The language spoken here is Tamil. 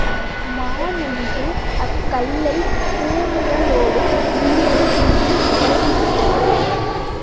மான் ஒன்று அக்கல்லைப் பூணுரலோடு இழுத்துக் கொண்டு ஒடிவிட்டது.